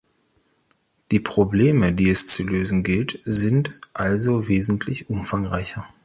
Die Probleme, die es zu lösen gilt, sind also wesentlich umfangreicher.